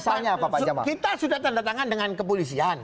misalnya kita sudah tanda tangan dengan kepolisian